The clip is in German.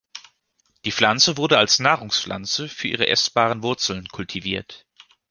Die Pflanze wurde als Nahrungspflanze für ihre essbaren Wurzeln kultiviert.